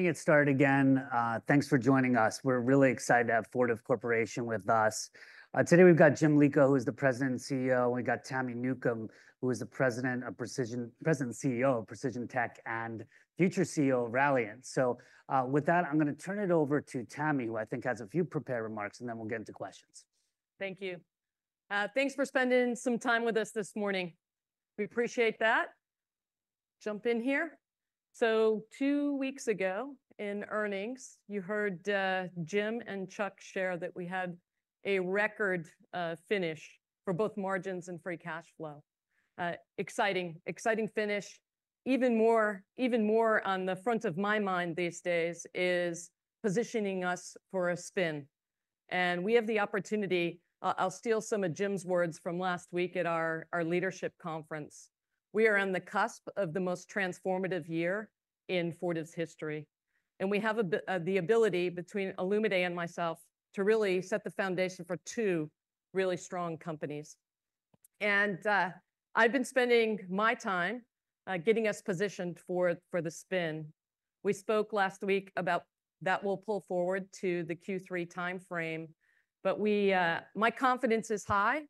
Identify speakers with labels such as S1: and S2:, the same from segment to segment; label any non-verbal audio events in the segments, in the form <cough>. S1: Let's get started again. Thanks for joining us. We're really excited to have Fortive Corporation with us. Today we've got Jim Lico, who is the President and CEO, and we've got Tami Newcombe, who is the President and CEO of Precision Technologies and future CEO of Ralliant. So with that, I'm going to turn it over to Tami, who I think has a few prepared remarks, and then we'll get into questions.
S2: Thank you. Thanks for spending some time with us this morning. We appreciate that. Jump in here. So two weeks ago in earnings, you heard Jim Lico and Chuck McLaughlin share that we had a record finish for both margins and free cash flow. Exciting, exciting finish. Even more, even more on the front of my mind these days is positioning us for a spin. And we have the opportunity. I'll steal some of Jim Lico's words from last week at our leadership conference. We are on the cusp of the most transformative year in Fortive's history. And we have the ability between Olumide Soroye and myself to really set the foundation for two really strong companies. And I've been spending my time getting us positioned for the spin. We spoke last week about that we'll pull forward to the Q3 timeframe. But my confidence is high.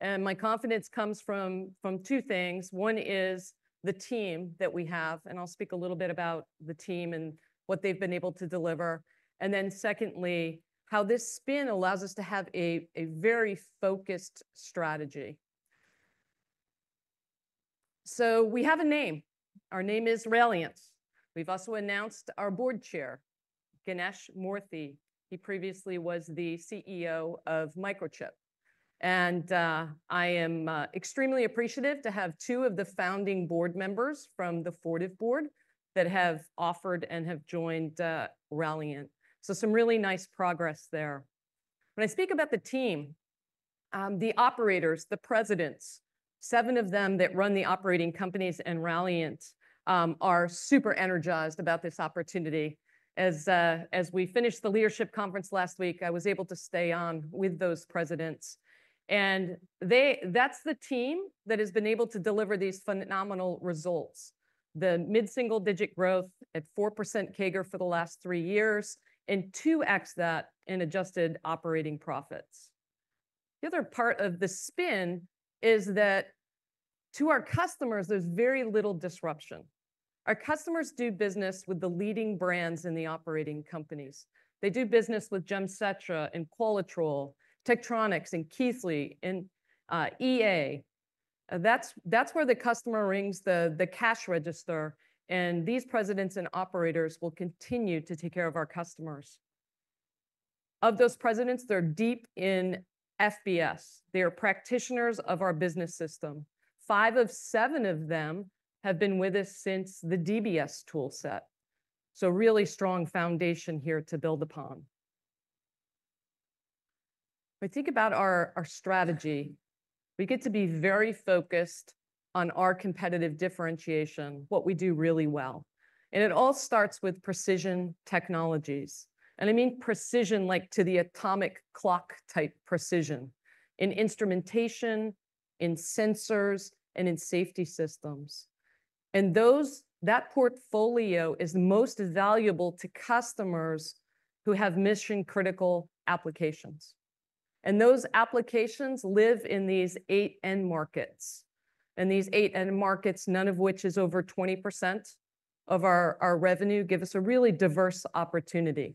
S2: And my confidence comes from two things. One is the team that we have. And I'll speak a little bit about the team and what they've been able to deliver. And then secondly, how this spin allows us to have a very focused strategy. So we have a name. Our name is Ralliant. We've also announced our board chair, Ganesh Moorthy. He previously was the Chief Executive Officer of Microchip. And I am extremely appreciative to have two of the founding board members from the Fortive board that have offered and have joined Ralliant. So some really nice progress there. When I speak about the team, the operators, the presidents, seven of them that run the operating companies and Ralliant are super energized about this opportunity. As we finished the leadership conference last week, I was able to stay on with those presidents. That's the team that has been able to deliver these phenomenal results: the mid-single digit growth at 4% CAGR for the last three years and 2x that in adjusted operating profits. The other part of the spin is that to our customers, there's very little disruption. Our customers do business with the leading brands in the operating companies. They do business with Gems, Setra and Qualitrol, Tektronix and Keithley, and EA. That's where the customer rings the cash register. And these presidents and operators will continue to take care of our customers. Of those presidents, they're deep in FBS. They are practitioners of our business system. Five of seven of them have been with us since the DBS tool set. So really strong foundation here to build upon. When we think about our strategy, we get to be very focused on our competitive differentiation, what we do really well. It all starts with Precision Technologies. And I mean precision like to the atomic clock type precision in instrumentation, in sensors, and in safety systems. And that portfolio is most valuable to customers who have mission-critical applications. And those applications live in these eight end markets. And these eight end markets, none of which is over 20% of our revenue, give us a really diverse opportunity.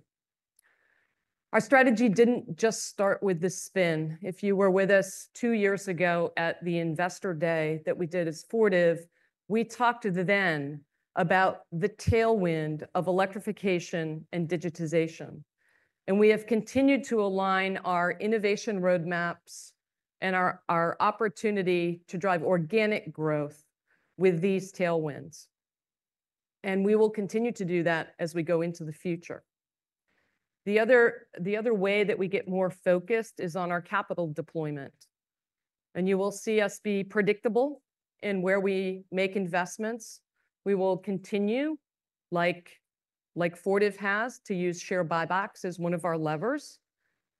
S2: Our strategy didn't just start with the spin. If you were with us two years ago at the investor day that we did as Fortive, we talked then about the tailwind of electrification and digitization. And we have continued to align our innovation roadmaps and our opportunity to drive organic growth with these tailwinds. And we will continue to do that as we go into the future. The other way that we get more focused is on our capital deployment. You will see us be predictable in where we make investments. We will continue, like Fortive has, to use share buybacks as one of our levers,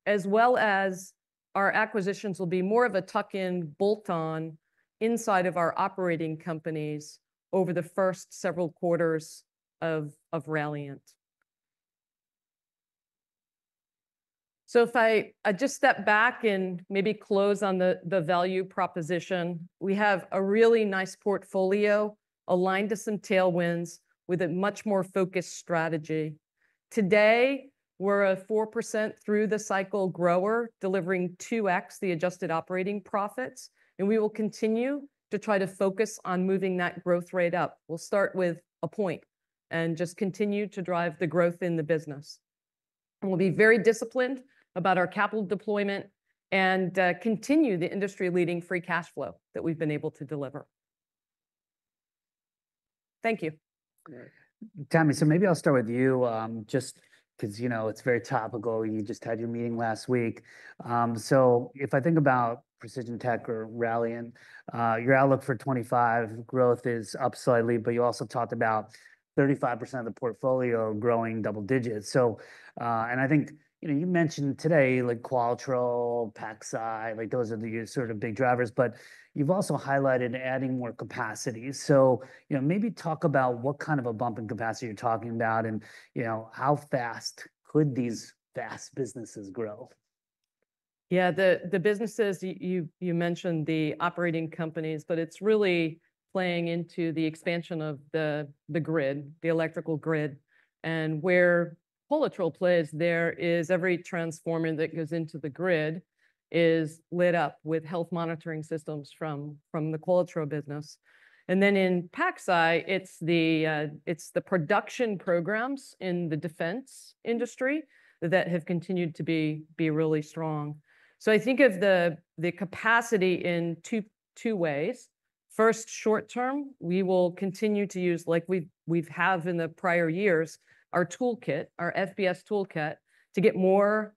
S2: as well as our acquisitions will be more of a tuck-in, bolt-on inside of our operating companies over the first several quarters of Ralliant. So if I just step back and maybe close on the value proposition, we have a really nice portfolio aligned to some tailwinds with a much more focused strategy. Today, we're a 4% through-the-cycle grower delivering 2x the adjusted operating profits. We will continue to try to focus on moving that growth rate up. We'll start with a point and just continue to drive the growth in the business. We'll be very disciplined about our capital deployment and continue the industry-leading free cash flow that we've been able to deliver. Thank you.
S1: Tam, so maybe I'll start with you just because you know it's very topical. You just had your meeting last week. So if I think about Precision Technologies or Ralliant, your outlook for 2025 growth is up slightly, but you also talked about 35% of the portfolio growing double digits. And I think you mentioned today Qualitrol, Pacific, those are the sort of big drivers, but you've also highlighted adding more capacity. So maybe talk about what kind of a bump in capacity you're talking about and how fast could these fast businesses grow.
S2: Yeah, the businesses you mentioned, the operating companies, but it's really playing into the expansion of the grid, the electrical grid. And where Qualitrol plays, there is every transformer that goes into the grid is lit up with health monitoring systems from the Qualitrol business. And then in Pacific Scientific, it's the production programs in the defense industry that have continued to be really strong. So I think of the capacity in two ways. First, short term, we will continue to use, like we have in the prior years, our toolkit, our FBS toolkit to get more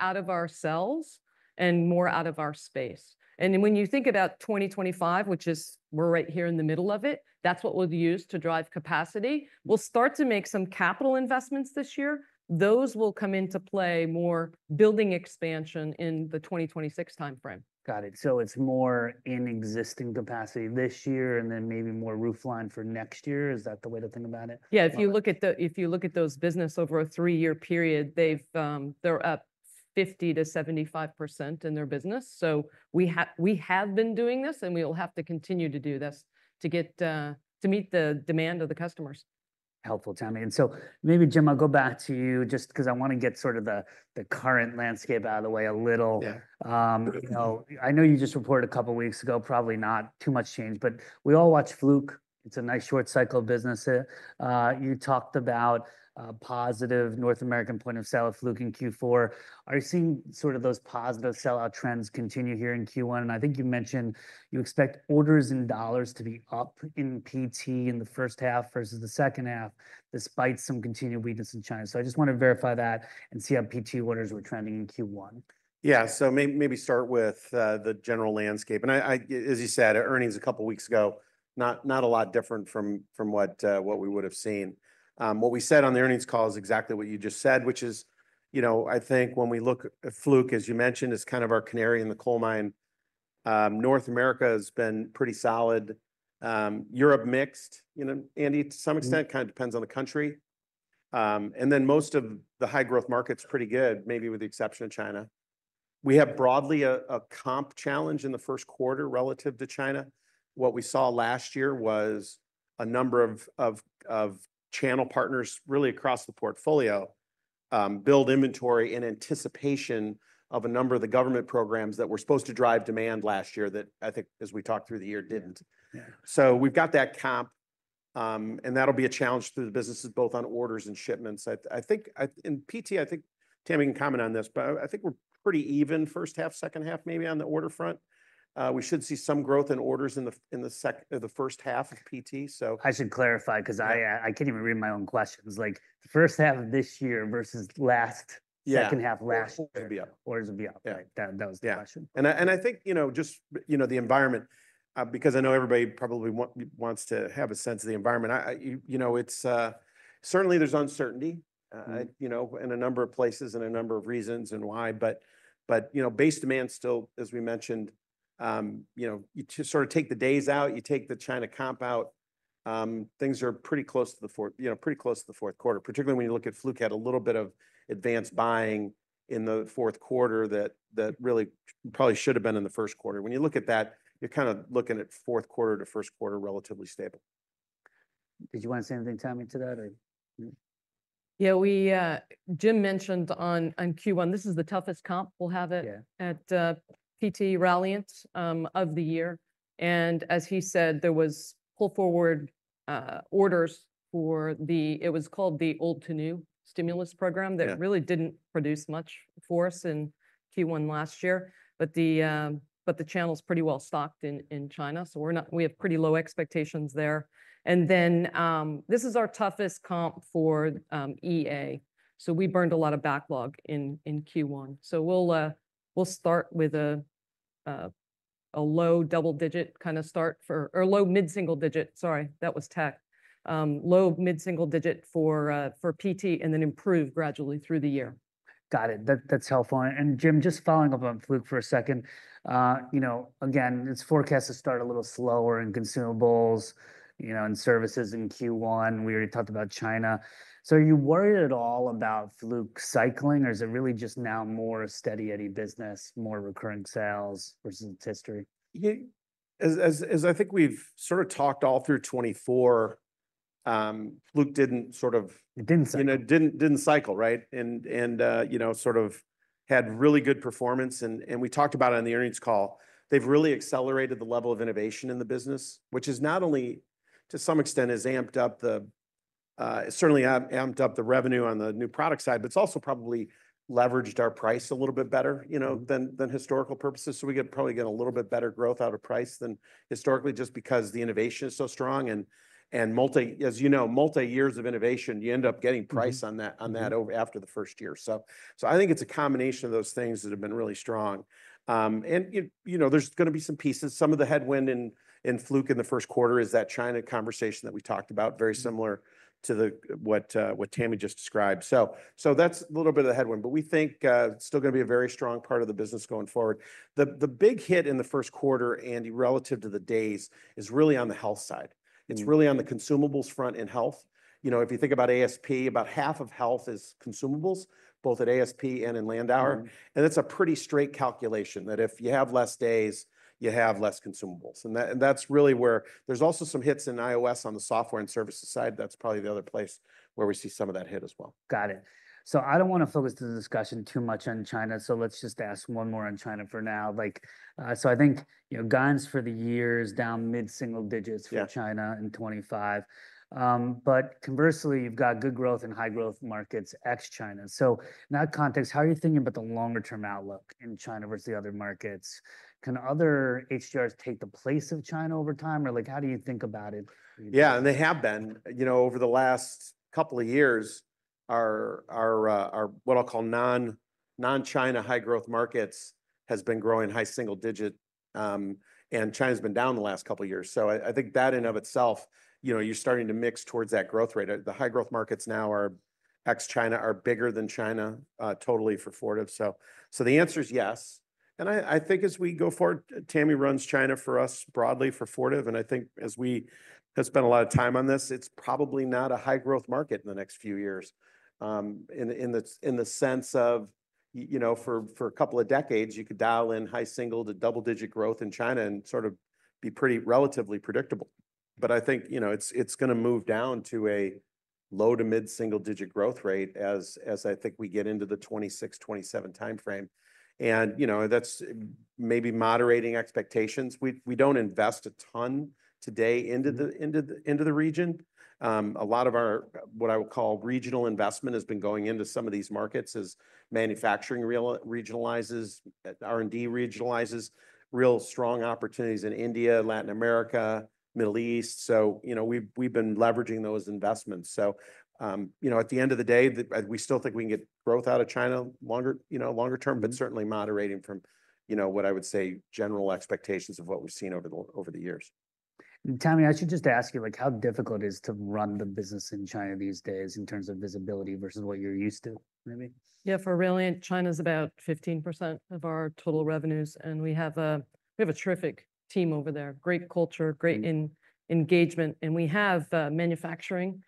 S2: out of ourselves and more out of our space. And when you think about 2025, which is we're right here in the middle of it, that's what we'll use to drive capacity. We'll start to make some capital investments this year. Those will come into play more building expansion in the 2026 timeframe.
S1: Got it. So it's more in existing capacity this year and then maybe more roofline for next year. Is that the way to think about it?
S2: Yeah, if you look at those businesses over a three-year period, they're up 50%-75% in their business. So we have been doing this and we will have to continue to do this to meet the demand of the customers.
S1: Helpful, Tamara. And so maybe, Jim, I'll go back to you just because I want to get sort of the current landscape out of the way a little. I know you just reported a couple of weeks ago, probably not too much change, but we all watch Fluke. It's a nice short cycle business. You talked about positive North American point of sale of Fluke in Q4. Are you seeing sort of those positive sell-out trends continue here in Q1? And I think you mentioned you expect orders in dollars to be up in PT in the first half versus the second half despite some continued weakness in China. So I just want to verify that and see how PT orders were trending in Q1.
S3: Yeah, so maybe start with the general landscape. As you said, earnings a couple of weeks ago, not a lot different from what we would have seen. What we said on the earnings call is exactly what you just said, which is, you know, I think when we look at Fluke, as you mentioned, it's kind of our canary in the coal mine. North America has been pretty solid. Europe mixed, Andy, to some extent, kind of depends on the country. Then most of the high-growth markets are pretty good, maybe with the exception of China. We have broadly a comp challenge in the first quarter relative to China. What we saw last year was a number of channel partners really across the portfolio build inventory in anticipation of a number of the government programs that were supposed to drive demand last year that I think, as we talked through the year, didn't. So we've got that comp, and that'll be a challenge to the businesses both on orders and shipments. In PT, I think TamTami can comment on this, but I think we're pretty even first half, second half, maybe on the order front. We should see some growth in orders in the first half of PT.
S1: I should clarify because I can't even read my own questions. Like the first half of this year versus last <crosstalk> half last year, orders will be up. That was the question.
S3: Yeah. And I think, you know, just, you know, the environment, because I know everybody probably wants to have a sense of the environment. You know, certainly there's uncertainty in a number of places and a number of reasons and why. But, you know, base demand still, as we mentioned, you sort of take the days out, you take the China comp out, things are pretty close to the fourth quarter, particularly when you look at Fluke had a little bit of advanced buying in the fourth quarter that really probably should have been in the first quarter. When you look at that, you're kind of looking at fourth quarter to first quarter relatively stable.
S1: Did you want to say anything, TamTami, to that?
S2: Yeah, Jim mentioned on Q1, this is the toughest comp we'll have at PT Ralliant of the year. And as he said, there was pull forward orders for the, it was called the old to new stimulus program that really didn't produce much for us in Q1 last year. But the channel is pretty well stocked in China. So we have pretty low expectations there. And then this is our toughest comp for EA. So we burned a lot of backlog in Q1. So we'll start with a low double digit kind of start for, or low mid-single digit, sorry, that was tech, low mid-single digit for PT and then improve gradually through the year.
S1: Got it. That's helpful. And Jim, just following up on Fluke for a second, you know, again, it's forecast to start a little slower in consumables, you know, and services in Q1. We already talked about China. So are you worried at all about Fluke cycling or is it really just now more steady-eddy business, more recurring sales versus its history?
S3: As I think we've sort of talked all through 2024, Fluke didn't sort of, you know, didn't cycle, right? And sort of had really good performance. And we talked about it on the earnings call. They've really accelerated the level of innovation in the business, which is not only to some extent has amped up the, certainly amped up the revenue on the new product side, but it's also probably leveraged our price a little bit better, you know, than historical purposes. So we could probably get a little bit better growth out of price than historically just because the innovation is so strong. And as you know, multi-years of innovation, you end up getting price on that after the first year. So I think it's a combination of those things that have been really strong. And you know, there's going to be some pieces. Some of the headwind in Fluke in the first quarter is that China conversation that we talked about, very similar to what Tami just described. So that's a little bit of the headwind, but we think it's still going to be a very strong part of the business going forward. The big hit in the first quarter, Andy, relative to the days is really on the health side. It's really on the consumables front in health. You know, if you think about ASP, about half of health is consumables, both at ASP and in Landauer. And it's a pretty straight calculation that if you have less days, you have less consumables. And that's really where there's also some hits in IOS on the software and services side. That's probably the other place where we see some of that hit as well.
S1: Got it. So I don't want to focus the discussion too much on China. So let's just ask one more on China for now. So I think, you know, organic sales for the year is down mid-single digits for China in 2025. But conversely, you've got good growth in high-growth markets ex-China. So in that context, how are you thinking about the longer-term outlook in China versus the other markets? Can other HGMs take the place of China over time? Or like how do you think about it?
S3: Yeah, and they have been. You know, over the last couple of years, what I'll call non-China high-growth markets has been growing high single digit. And China's been down the last couple of years. So I think that in and of itself, you know, you're starting to mix towards that growth rate. The high-growth markets now ex-China are bigger than China totally for Fortive. So the answer is yes. And I think as we go forward, TamTami runs China for us broadly for Fortive. And I think as we have spent a lot of time on this, it's probably not a high-growth market in the next few years in the sense of, you know, for a couple of decades, you could dial in high single to double-digit growth in China and sort of be pretty relatively predictable. But I think, you know, it's going to move down to a low- to mid-single-digit growth rate as I think we get into the 2026, 2027 timeframe. And, you know, that's maybe moderating expectations. We don't invest a ton today into the region. A lot of our, what I will call regional investment has been going into some of these markets as manufacturing regionalizes, R&D regionalizes, real strong opportunities in India, Latin America, Middle East. So, you know, we've been leveraging those investments. So, you know, at the end of the day, we still think we can get growth out of China longer term, but certainly moderating from, you know, what I would say general expectations of what we've seen over the years.
S1: TamTami, I should just ask you, like how difficult is it to run the business in China these days in terms of visibility versus what you're used to, maybe?
S2: Yeah, for Ralliant, China is about 15% of our total revenues. We have a terrific team over there, great culture, great engagement. We have manufacturing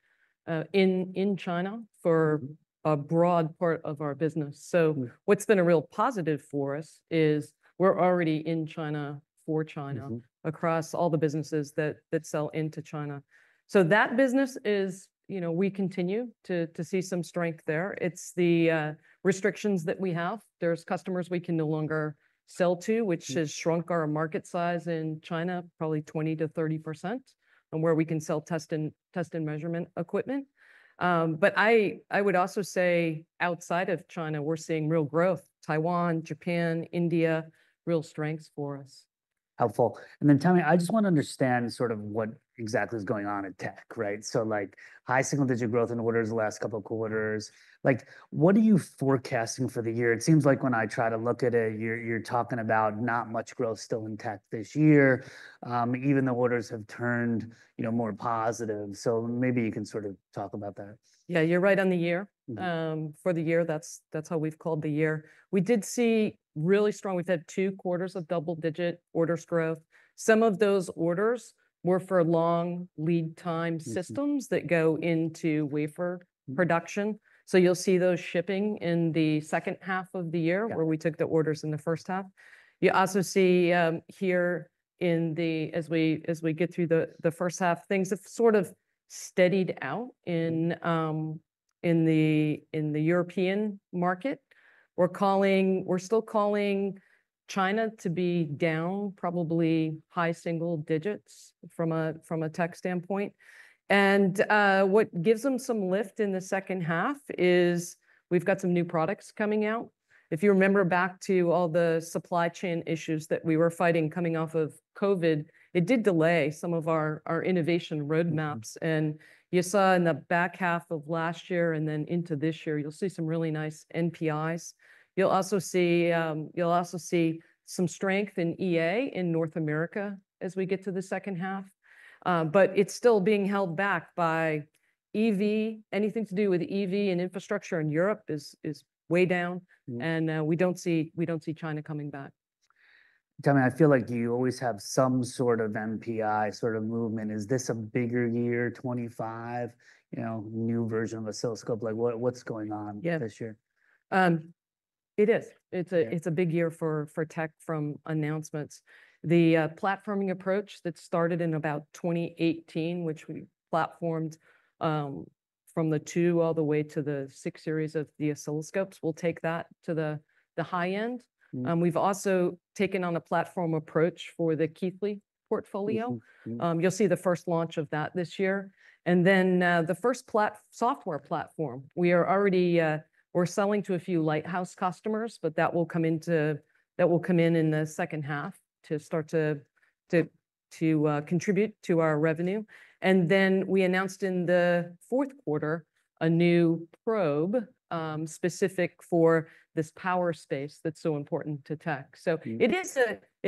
S2: in China for a broad part of our business. What's been a real positive for us is we're already in China for China across all the businesses that sell into China. That business is, you know, we continue to see some strength there. It's the restrictions that we have. There are customers we can no longer sell to, which has shrunk our market size in China probably 20%-30%, and where we can sell test and measurement equipment. I would also say outside of China, we're seeing real growth, Taiwan, Japan, India, real strengths for us.
S1: Helpful. And then, TamTami, I just want to understand sort of what exactly is going on in tech, right? So like high single-digit growth in orders the last couple of quarters. Like what are you forecasting for the year? It seems like when I try to look at it, you're talking about not much growth still in tech this year, even though orders have turned, you know, more positive. So maybe you can sort of talk about that.
S2: Yeah, you're right on the year. For the year, that's how we've called the year. We did see really strong. We've had two quarters of double-digit orders growth. Some of those orders were for long lead time systems that go into wafer production. So you'll see those shipping in the second half of the year where we took the orders in the first half. You also see here, as we get through the first half, things have sort of steadied out in the European market. We're still calling China to be down probably high single digits from a tech standpoint. And what gives them some lift in the second half is we've got some new products coming out. If you remember back to all the supply chain issues that we were fighting coming off of COVID, it did delay some of our innovation roadmaps. You saw in the back half of last year and then into this year, you'll see some really nice NPIs. You'll also see some strength in EA in North America as we get to the second half. It's still being held back by EV. Anything to do with EV and infrastructure in Europe is way down. We don't see China coming back.
S1: Tamara, I feel like you always have some sort of NPI sort of movement. Is this a bigger year, 2025, you know, new version of an oscilloscope? Like what's going on this year?
S2: It is. It's a big year for tech from announcements. The platforming approach that started in about 2018, which we platformed from the two all the way to the six series of the oscilloscopes, we'll take that to the high end. We've also taken on a platform approach for the Keithley portfolio. You'll see the first launch of that this year. And then the first software platform, we're selling to a few lighthouse customers, but that will come in in the second half to start to contribute to our revenue. And then we announced in the fourth quarter a new probe specific for this power space that's so important to tech. So it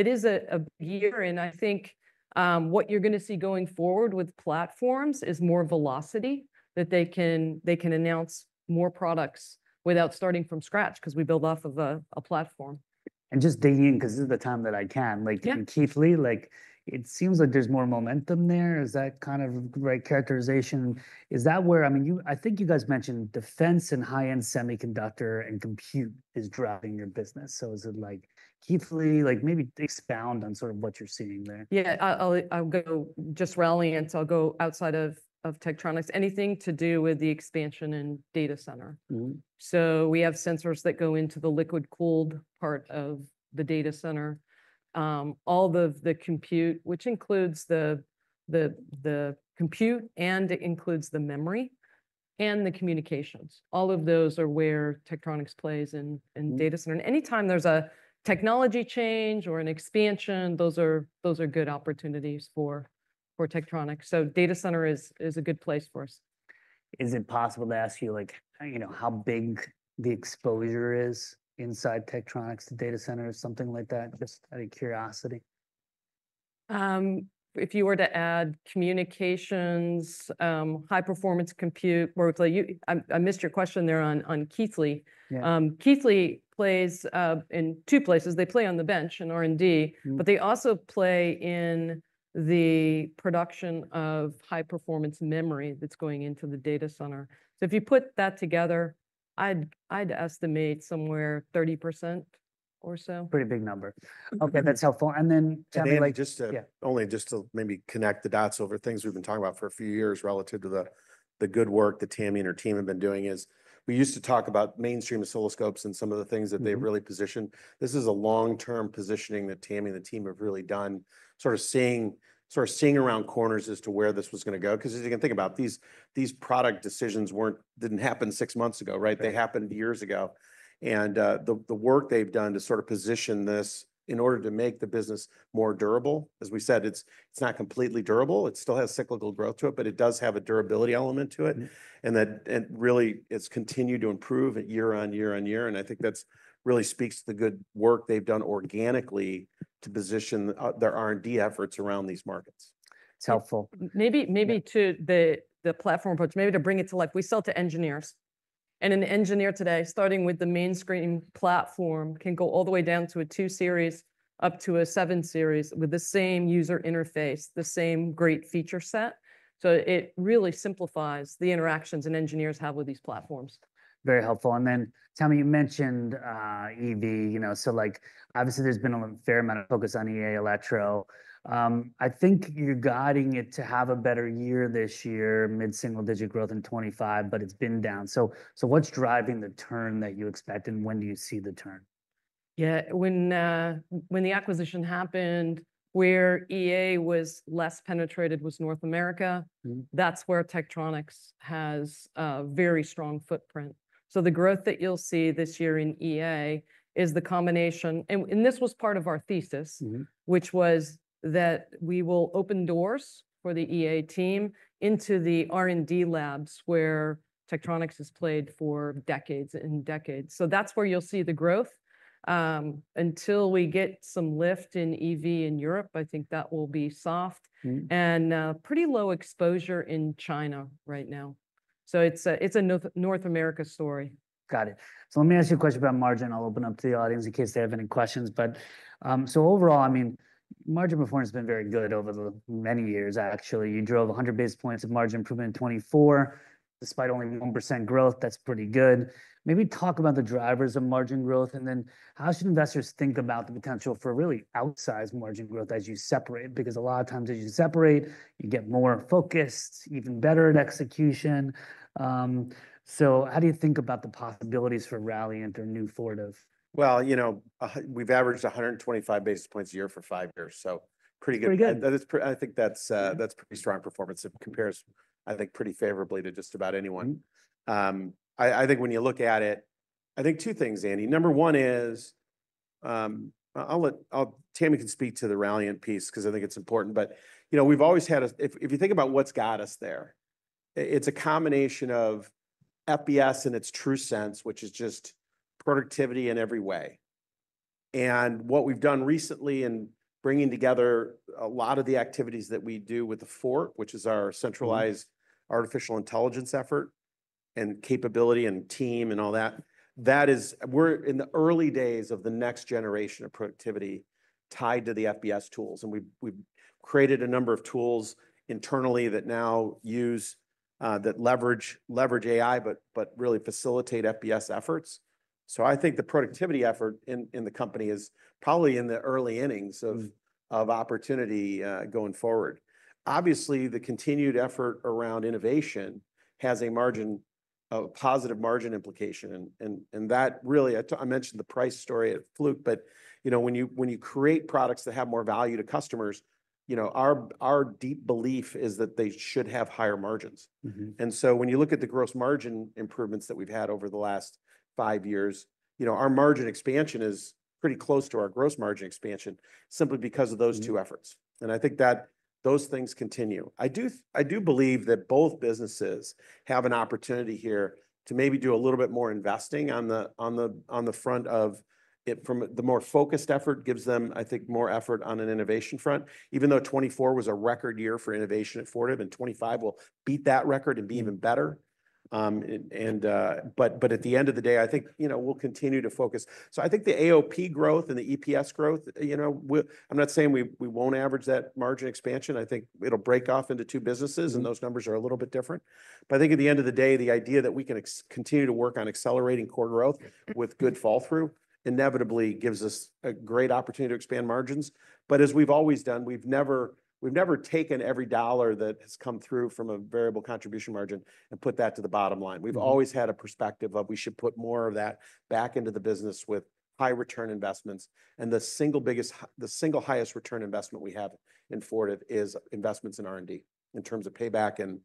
S2: is a year. I think what you're going to see going forward with platforms is more velocity that they can announce more products without starting from scratch because we build off of a platform.
S1: Just digging in because this is the time that I can, like in Keithley, like it seems like there's more momentum there. Is that kind of right characterization? Is that where, I mean, I think you guys mentioned defense and high-end semiconductor and compute is driving your business. So is it like Keithley, like maybe expound on sort of what you're seeing there?
S2: Yeah, I'll go just Ralliant and I'll go outside of Tektronix. Anything to do with the expansion in data center. So we have sensors that go into the liquid-cooled part of the data center. All of the compute, which includes the compute and it includes the memory and the communications. All of those are where Tektronix plays in data center. And anytime there's a technology change or an expansion, those are good opportunities for Tektronix. So data center is a good place for us.
S1: Is it possible to ask you like, you know, how big the exposure is inside Tektronix to data centers, something like that, just out of curiosity?
S2: If you were to add communications, high-performance compute. I missed your question there on Keithley. Keithley plays in two places. They play on the bench in R&D, but they also play in the production of high-performance memory that's going into the data center. So if you put that together, I'd estimate somewhere 30% or so.
S1: Pretty big number. Okay, that's helpful. And then Tami?
S3: Just to maybe connect the dots over things we've been talking about for a few years relative to the good work that Tami and her team have been doing is we used to talk about mainstream oscilloscopes and some of the things that they've really positioned. This is a long-term positioning that Tami and the team have really done, sort of seeing around corners as to where this was going to go. Because as you can think about, these product decisions didn't happen six months ago, right? They happened years ago. And the work they've done to sort of position this in order to make the business more durable, as we said, it's not completely durable. It still has cyclical growth to it, but it does have a durability element to it. And that really has continued to improve year on year on year. I think that really speaks to the good work they've done organically to position their R&D efforts around these markets.
S1: It's helpful.
S2: Maybe to the platform approach, maybe to bring it to life. We sell to engineers. And an engineer today, starting with the mainstream platform, can go all the way down to a two series, up to a seven series with the same user interface, the same great feature set. So it really simplifies the interactions and engineers have with these platforms.
S1: Very helpful, and then Tami, you mentioned EV, you know, so like obviously there's been a fair amount of focus on EA Elektro. I think you're guiding it to have a better year this year, mid-single digit growth in 2025, but it's been down. So what's driving the turn that you expect and when do you see the turn?
S2: Yeah, when the acquisition happened, where EA was less penetrated was North America. That's where Tektronix has a very strong footprint. So the growth that you'll see this year in EA is the combination, and this was part of our thesis, which was that we will open doors for the EA team into the R&D labs where Tektronix has played for decades and decades. So that's where you'll see the growth. Until we get some lift in EV in Europe, I think that will be soft and pretty low exposure in China right now. So it's a North America story.
S1: Got it. So let me ask you a question about margin. I'll open up to the audience in case they have any questions. But so overall, I mean, margin performance has been very good over the many years, actually. You drove 100 basis points of margin improvement in 2024, despite only 1% growth. That's pretty good. Maybe talk about the drivers of margin growth and then how should investors think about the potential for really outsized margin growth as you separate? Because a lot of times as you separate, you get more focused, even better at execution. So how do you think about the possibilities for Ralliant or New Fortive?
S3: You know, we've averaged 125 basis points a year for five years. So pretty good. I think that's a pretty strong performance that compares, I think, pretty favorably to just about anyone. I think when you look at it, I think two things, Andy. Number one is, I'll let Tamara speak to the Ralliant piece because I think it's important. But you know, we've always had, if you think about what's got us there, it's a combination of FBS in its true sense, which is just productivity in every way. And what we've done recently in bringing together a lot of the activities that we do with the Fort, which is our centralized artificial intelligence effort and capability and team and all that, that is we're in the early days of the next generation of productivity tied to the FBS tools. And we've created a number of tools internally that now use that leverage AI, but really facilitate FBS efforts. So I think the productivity effort in the company is probably in the early innings of opportunity going forward. Obviously, the continued effort around innovation has a margin, a positive margin implication. And that really, I mentioned the price story at Fluke, but you know, when you create products that have more value to customers, you know, our deep belief is that they should have higher margins. And so when you look at the gross margin improvements that we've had over the last five years, you know, our margin expansion is pretty close to our gross margin expansion simply because of those two efforts. And I think that those things continue. I do believe that both businesses have an opportunity here to maybe do a little bit more investing on the front of it from the more focused effort gives them. I think more effort on an innovation front, even though 2024 was a record year for innovation at Fortive and 2025 will beat that record and be even better. But at the end of the day, I think, you know, we'll continue to focus. So I think the AOP growth and the EPS growth, you know, I'm not saying we won't average that margin expansion. I think it'll break off into two businesses and those numbers are a little bit different. But I think at the end of the day, the idea that we can continue to work on accelerating core growth with good fall through inevitably gives us a great opportunity to expand margins. But as we've always done, we've never taken every dollar that has come through from a variable contribution margin and put that to the bottom line. We've always had a perspective of we should put more of that back into the business with high return investments. And the single biggest, the single highest return investment we have in Fortive is investments in R&D in terms of payback and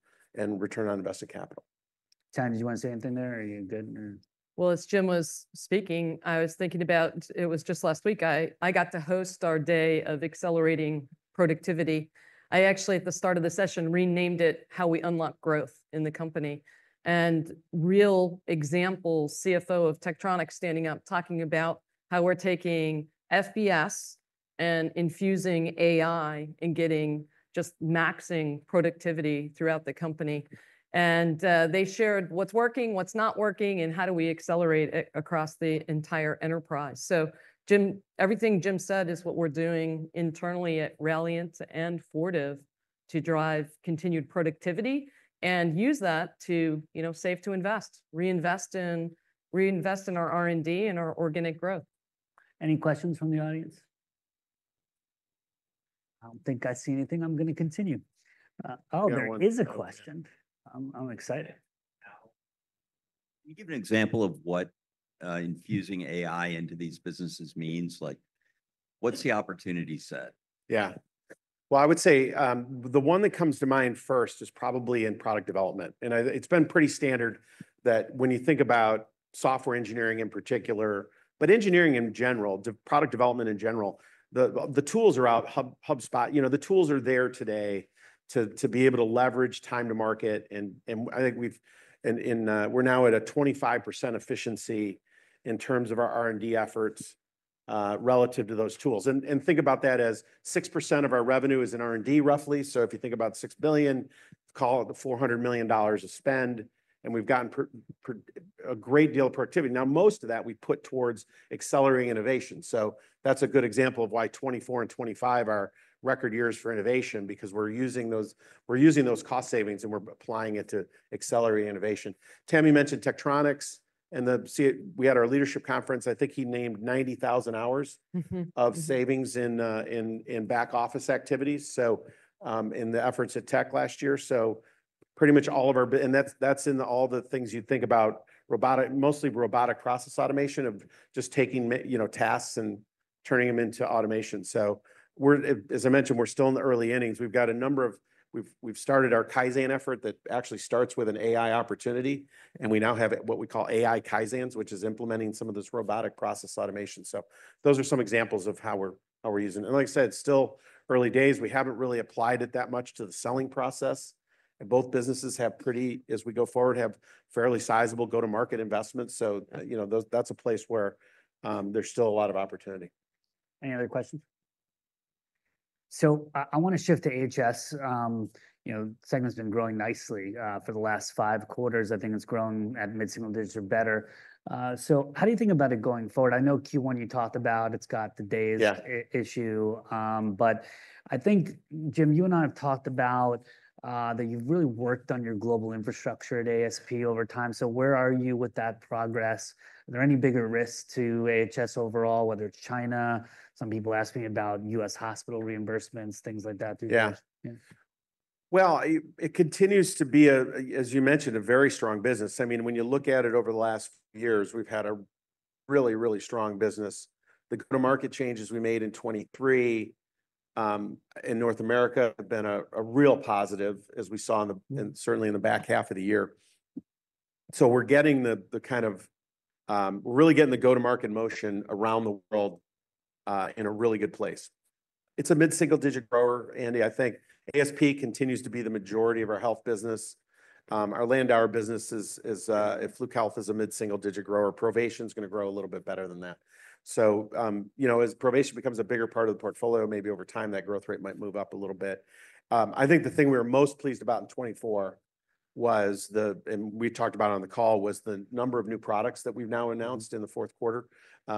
S3: return on invested capital.
S1: Tamara, did you want to say anything there? Are you good?
S2: Well, as Jim was speaking, I was thinking about, it was just last week, I got to host our day of accelerating productivity. I actually, at the start of the session, renamed it how we unlock growth in the company, and real examples, Chief Financial Officer of Tektronix standing up talking about how we're taking FBS and infusing AI and getting just maxing productivity throughout the company, and they shared what's working, what's not working, and how do we accelerate it across the entire enterprise, so Jim, everything Jim said is what we're doing internally at Ralliant and Fortive to drive continued productivity and use that to, you know, save to invest, reinvest in our R&D and our organic growth.
S1: Any questions from the audience? I don't think I see anything. I'm going to continue. Oh, there is a question. I'm excited.
S4: Can you give an example of what infusing AI into these businesses means? Like what's the opportunity set?
S3: Yeah. Well, I would say the one that comes to mind first is probably in product development. And it's been pretty standard that when you think about software engineering in particular, but engineering in general, product development in general, the tools are out. HubSpot, you know, the tools are there today to be able to leverage time to market. And I think we're now at a 25% efficiency in terms of our R&D efforts relative to those tools. And think about that as 6% of our revenue is in R&D roughly. So if you think about $6 billion, call it the $400 million of spend, and we've gotten a great deal of productivity. Now, most of that we put towards accelerating innovation. So that's a good example of why 2024 and 2025 are record years for innovation because we're using those cost savings and we're applying it to accelerate innovation. Tamara mentioned Tektronix and we had our leadership conference. I think he named 90,000 hours of savings in back office activities. So in the efforts at tech last year, so pretty much all of our, and that's in all the things you think about robotic, mostly robotic process automation of just taking, you know, tasks and turning them into automation. So we're, as I mentioned, we're still in the early innings. We've got a number of, we've started our Kaizen effort that actually starts with an AI opportunity. And we now have what we call AI Kaizens, which is implementing some of this robotic process automation. So those are some examples of how we're using. Like I said, still early days, we haven't really applied it that much to the selling process. Both businesses, as we go forward, have fairly sizable go-to-market investments. You know, that's a place where there's still a lot of opportunity.
S1: Any other questions? So I want to shift to HS. You know, segments have been growing nicely for the last five quarters. I think it's grown at mid-single digit or better. So how do you think about it going forward? I know Q1 you talked about it's got the DAYS issue. But I think, Jim, you and I have talked about that you've really worked on your global infrastructure at ASP over time. So where are you with that progress? Are there any bigger risks to HS overall, whether it's China? Some people asking about U.S. hospital reimbursements, things like that.
S3: Yeah. Well, it continues to be, as you mentioned, a very strong business. I mean, when you look at it over the last few years, we've had a really, really strong business. The go-to-market changes we made in 2023 in North America have been a real positive, as we saw, and certainly in the back half of the year. So we're really getting the go-to-market motion around the world in a really good place. It's a mid-single digit grower, Andy. I think ASP continues to be the majority of our health business. Our Landauer business is, if Fluke Health is a mid-single digit grower, Provation is going to grow a little bit better than that. So, you know, as Provation becomes a bigger part of the portfolio, maybe over time that growth rate might move up a little bit. I think the thing we were most pleased about in 2024, and we talked about on the call, was the number of new products that we've now announced in the fourth quarter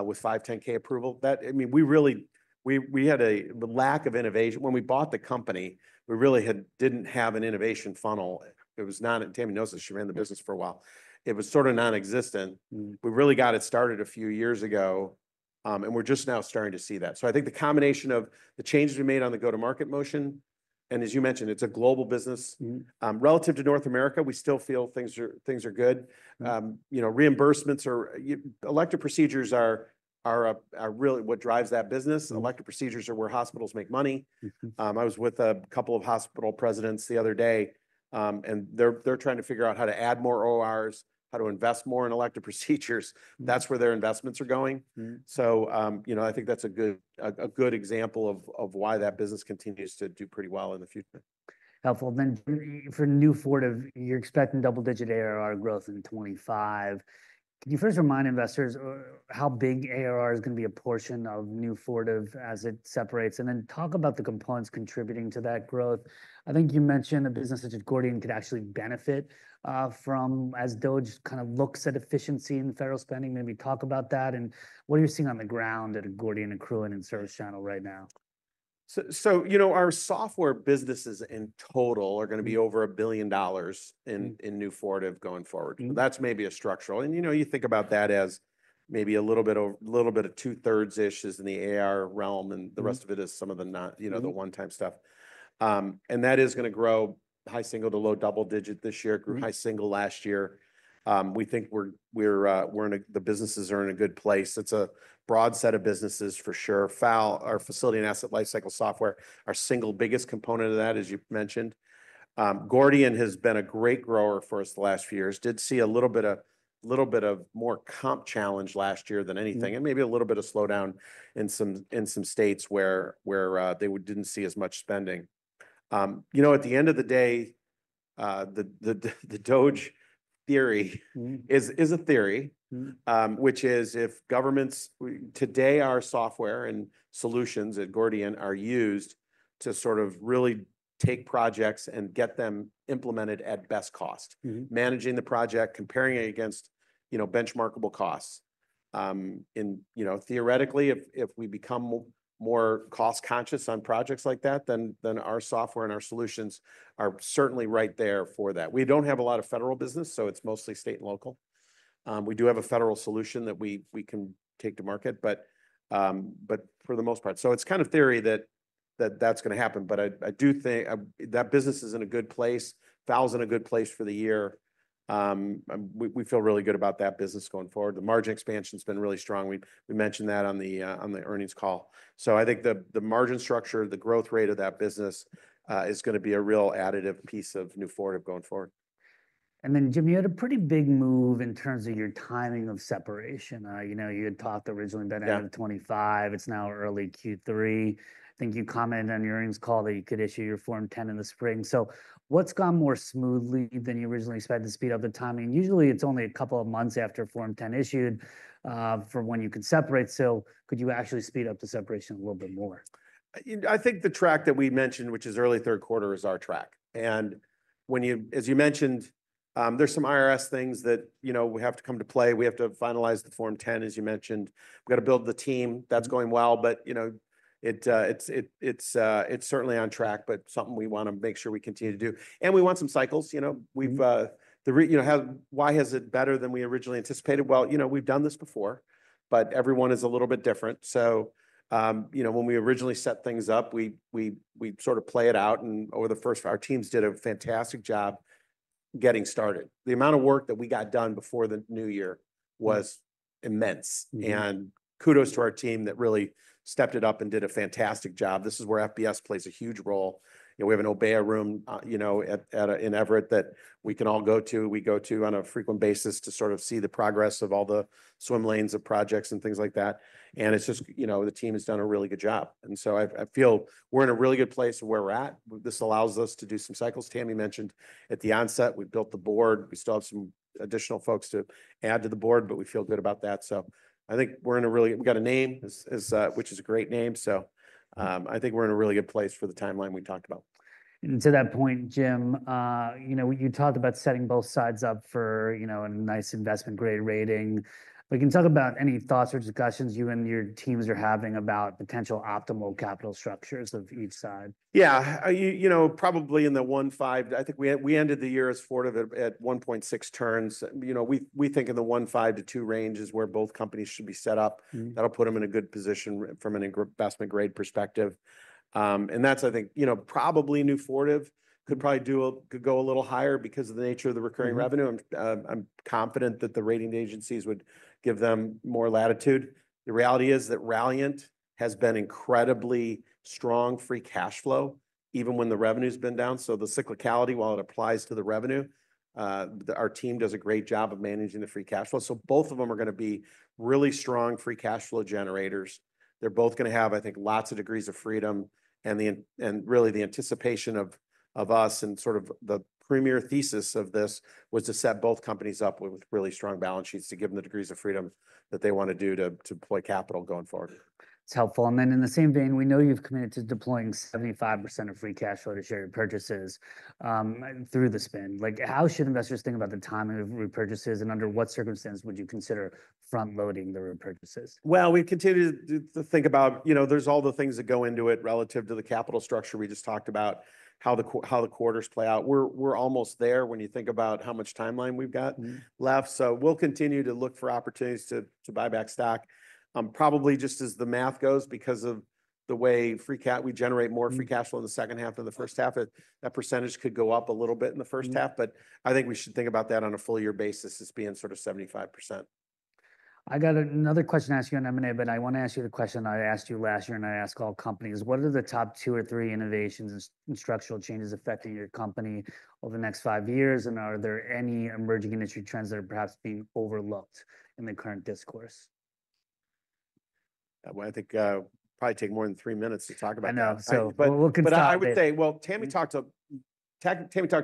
S3: with 510(k) approval. That, I mean, we really, we had a lack of innovation. When we bought the company, we really didn't have an innovation funnel. It was not, and Tami knows this, she ran the business for a while. It was sort of nonexistent. We really got it started a few years ago. And we're just now starting to see that. So I think the combination of the changes we made on the go-to-market motion, and as you mentioned, it's a global business. Relative to North America, we still feel things are good. You know, reimbursements or elective procedures are really what drives that business. Elective procedures are where hospitals make money. I was with a couple of hospital presidents the other day, and they're trying to figure out how to add more ORs, how to invest more in elective procedures. That's where their investments are going. So, you know, I think that's a good example of why that business continues to do pretty well in the future.
S1: Helpful. Then for New Fortive, you're expecting double-digit ARR growth in 2025. Can you first remind investors how big ARR is going to be a portion of New Fortive as it separates? And then talk about the components contributing to that growth. I think you mentioned a business such as Gordian could actually benefit from, as DOGE kind of looks at efficiency in federal spending. Maybe talk about that. And what are you seeing on the ground at Gordian, Accruent, and ServiceChannel right now?
S3: So, you know, our software businesses in total are going to be over $1 billion in New Fortive going forward. That's maybe a structural. And, you know, you think about that as maybe a little bit of two-thirds-ish is in the AR realm and the rest of it is some of the, you know, the one-time stuff. And that is going to grow high single to low double digit this year, grew high single last year. We think we're in a, the businesses are in a good place. It's a broad set of businesses for sure. FAL, our facility and asset lifecycle software, our single biggest component of that, as you mentioned. Gordian has been a great grower for us the last few years. Did see a little bit of more comp challenge last year than anything, and maybe a little bit of slowdown in some states where they didn't see as much spending. You know, at the end of the day, the DOGE theory is a theory, which is if governments today our software and solutions at Gordian are used to sort of really take projects and get them implemented at best cost, managing the project, comparing it against, you know, benchmarkable costs. And, you know, theoretically, if we become more cost-conscious on projects like that, then our software and our solutions are certainly right there for that. We don't have a lot of federal business, so it's mostly state and local. We do have a federal solution that we can take to market, but for the most part. So it's kind of theory that that's going to happen. But I do think that business is in a good place. FAL's in a good place for the year. We feel really good about that business going forward. The margin expansion has been really strong. We mentioned that on the earnings call. So I think the margin structure, the growth rate of that business is going to be a real additive piece of New Fortive going forward.
S1: And then, Jim, you had a pretty big move in terms of your timing of separation. You know, you had talked originally about being out of 2025. It's now early Q3. I think you commented on your earnings call that you could issue your Form 10 in the spring. So what's gone more smoothly than you originally expected to speed up the timing? Usually, it's only a couple of months after Form 10 issued for when you can separate. So could you actually speed up the separation a little bit more?
S3: I think the track that we mentioned, which is early third quarter, is our track. And when you, as you mentioned, there's some IRS things that, you know, we have to come to play. We have to finalize the Form 10, as you mentioned. We've got to build the team. That's going well. But, you know, it's certainly on track, but something we want to make sure we continue to do. And we want some cycles. You know, we've, you know, why has it better than we originally anticipated? Well, you know, we've done this before, but everyone is a little bit different. So, you know, when we originally set things up, we sort of play it out. And over the first, our teams did a fantastic job getting started. The amount of work that we got done before the new year was immense. Kudos to our team that really stepped it up and did a fantastic job. This is where FBS plays a huge role. We have an Obeya room, you know, in Everett that we can all go to. We go to on a frequent basis to sort of see the progress of all the swim lanes of projects and things like that. It's just, you know, the team has done a really good job. I feel we're in a really good place of where we're at. This allows us to do some cycles. Tami mentioned at the onset, we built the board. We still have some additional folks to add to the board, but we feel good about that. I think we're in a really, we've got a name, which is a great name. I think we're in a really good place for the timeline we talked about.
S1: And to that point, Jim, you know, you talked about setting both sides up for, you know, a nice investment-grade rating. We can talk about any thoughts or discussions you and your teams are having about potential optimal capital structures of each side.
S3: Yeah, you know, probably in the 1.5, I think we ended the year as Fortive at 1.6 turns. You know, we think in the 1.5-2 range is where both companies should be set up. That'll put them in a good position from an investment-grade perspective. And that's, I think, you know, probably New Fortive could probably do a, could go a little higher because of the nature of the recurring revenue. I'm confident that the rating agencies would give them more latitude. The reality is that Ralliant has been incredibly strong free cash flow, even when the revenue has been down. So the cyclicality, while it applies to the revenue, our team does a great job of managing the free cash flow. So both of them are going to be really strong free cash flow generators. They're both going to have, I think, lots of degrees of freedom. And really the anticipation of us and sort of the primary thesis of this was to set both companies up with really strong balance sheets to give them the degrees of freedom that they want to do to deploy capital going forward.
S1: It's helpful. And then in the same vein, we know you've committed to deploying 75% of free cash flow to share repurchases through the spin. Like how should investors think about the timing of repurchases and under what circumstances would you consider front-loading the repurchases?
S3: We continue to think about, you know, there's all the things that go into it relative to the capital structure we just talked about, how the quarters play out. We're almost there when you think about how much timeline we've got left. We'll continue to look for opportunities to buy back stock. Probably just as the math goes because of the way free cash, we generate more free cash flow in the second half than the first half. That percentage could go up a little bit in the first half, but I think we should think about that on a full-year basis as being sort of 75%.
S1: I got another question to ask you on M&A, but I want to ask you the question I asked you last year and I ask all companies. What are the top two or three innovations and structural changes affecting your company over the next five years? And are there any emerging industry trends that are perhaps being overlooked in the current discourse?
S3: I think I probably take more than three minutes to talk about that.
S1: I know. But we'll continue.
S3: But I would say, well, Tami talked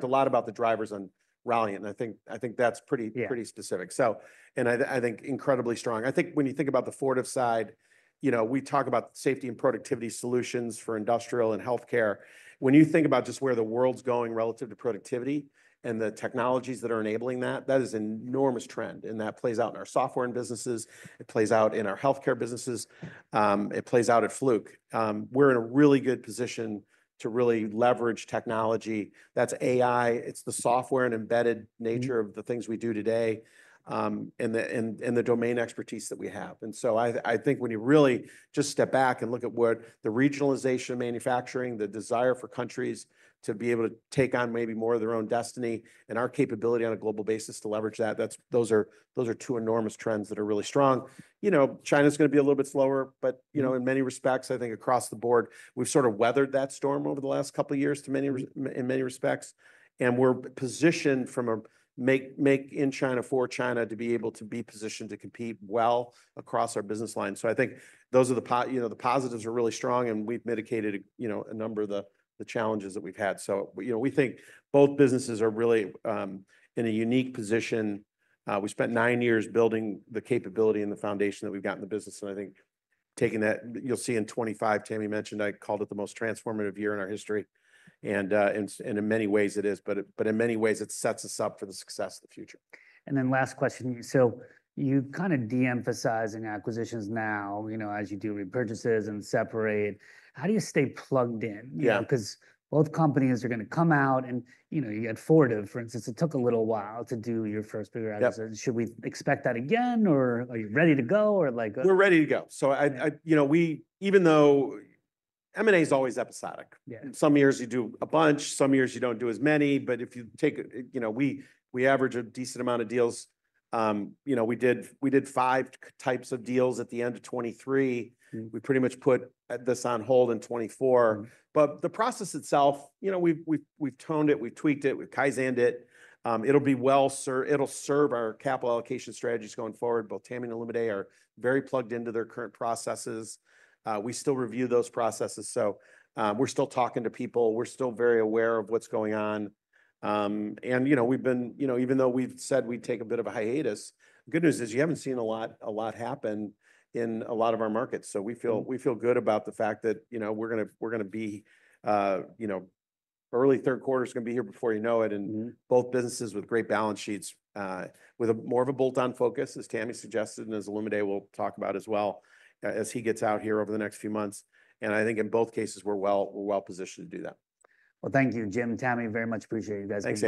S3: a lot about the drivers on Ralliant. And I think that's pretty specific. So, and I think incredibly strong. I think when you think about the Fortive side, you know, we talk about safety and productivity solutions for industrial and healthcare. When you think about just where the world's going relative to productivity and the technologies that are enabling that, that is an enormous trend. And that plays out in our software and businesses. It plays out in our healthcare businesses. It plays out at Fluke. We're in a really good position to really leverage technology. That's AI. It's the software and embedded nature of the things we do today and the domain expertise that we have. I think when you really just step back and look at what the regionalization of manufacturing, the desire for countries to be able to take on maybe more of their own destiny and our capability on a global basis to leverage that, those are two enormous trends that are really strong. You know, China's going to be a little bit slower, but you know, in many respects, I think across the board, we've sort of weathered that storm over the last couple of years in many respects. We're positioned from a make in China for China to be able to be positioned to compete well across our business line. I think those are the, you know, the positives are really strong and we've mitigated, you know, a number of the challenges that we've had. You know, we think both businesses are really in a unique position. We spent nine years building the capability and the foundation that we've got in the business. I think taking that, you'll see in 2025, Tami mentioned, I called it the most transformative year in our history. In many ways it is, but in many ways it sets us up for the success of the future.
S1: And then last question. So you kind of de-emphasize in acquisitions now, you know, as you do repurchases and separate. How do you stay plugged in? You know, because both companies are going to come out and, you know, you had Fortive, for instance, it took a little while to do your first bigger acquisition. Should we expect that again or are you ready to go or like?
S3: We're ready to go. So, you know, even though M&A is always episodic. Some years you do a bunch, some years you don't do as many. But if you take, you know, we average a decent amount of deals. You know, we did five types of deals at the end of 2023. We pretty much put this on hold in 2024. But the process itself, you know, we've toned it, we've tweaked it, we've Kaizened it. It'll be well, it'll serve our capital allocation strategies going forward. Both Tami and Olumide are very plugged into their current processes. We still review those processes. So we're still talking to people. We're still very aware of what's going on. You know, we've been, you know, even though we've said we take a bit of a hiatus, the good news is you haven't seen a lot happen in a lot of our markets. We feel good about the fact that, you know, we're going to be, you know, early third quarter is going to be here before you know it. Both businesses with great balance sheets, with more of a bolt-on focus, as Tami suggested, and as Olumide will talk about as well as he gets out here over the next few months. I think in both cases, we're well positioned to do that.
S1: Thank you, Jim and Tami very much. Appreciate it. You guys.